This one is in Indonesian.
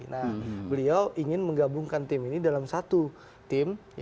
nah beliau ingin menggabungkan tim ini dalam satu tim